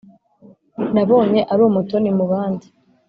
nabonye ari umutoni mu bandi